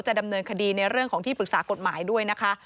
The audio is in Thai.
ดำเนินคดีในเรื่องของที่ปรึกษากฎหมายด้วยนะคะ